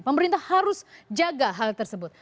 pemerintah harus jaga hal tersebut